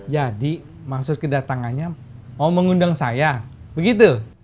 jadi maksud kedatangannya mau mengundang saya begitu